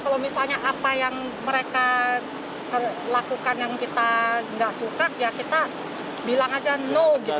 kalau misalnya apa yang mereka lakukan yang kita gak suka ya kita bilang aja no gitu